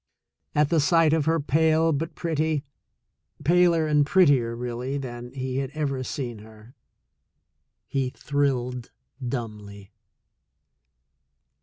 At the sight of her, pale, but pretty — paler and prettier, really, than he had ever seen her — he thrilled dumbly.